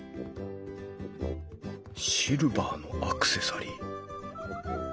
シルバーのアクセサリー。